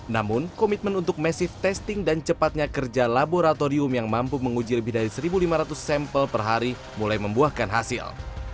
namun komitmen untuk masif testing dan cepatnya kerja laboratorium yang mampu menguji lebih dari satu lima ratus sampel per hari mulai membuahkan hasil